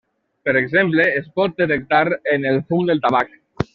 Per exemple es pot detectar en el fum del tabac.